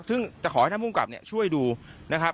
ซึ่งจะขอให้ท่านภูมิกับช่วยดูนะครับ